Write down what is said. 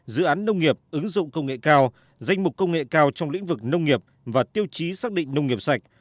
dự án nông nghiệp ứng dụng công nghệ cao danh mục công nghệ cao trong lĩnh vực nông nghiệp và tiêu chí xác định nông nghiệp sạch